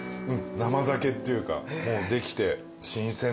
生酒っていうかもうできて新鮮なのかなまだ。